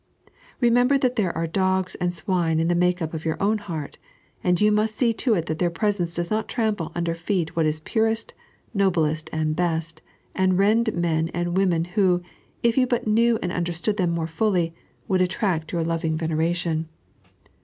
Bemember that there are dogs and swine in the make up of your own heart, and you most see to it that their presence does not trample under feet what is purest, noblest, and best, and rend men and women who, if you but knew and understood them more fully, would attract your loving veneration.